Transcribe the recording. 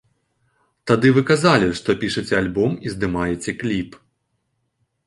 Тады вы казалі, што пішаце альбом і здымаеце кліп.